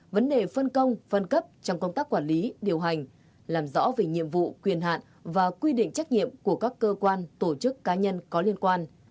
vấn đề phân công phân cấp trong công tác quản lý điều hành làm rõ về nhiệm vụ quyền hạn và quy định trách nhiệm của các cơ quan tổ chức cá nhân có liên quan